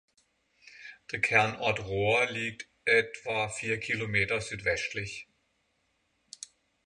Der Kernort Rohr liegt etwa vier Kilometer südwestlich.